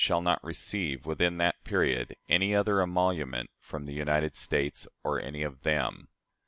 shall not receive, within that period, any other emolument from the United States, or any of them."